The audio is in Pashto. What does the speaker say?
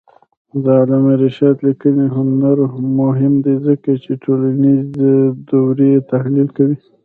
د علامه رشاد لیکنی هنر مهم دی ځکه چې ټولنیز دورې تحلیل کوي.